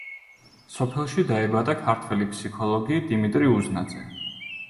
სოფელში დაიბადა ქართველი ფსიქოლოგი დიმიტრი უზნაძე.